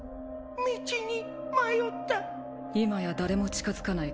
道に迷った今や誰も近づかない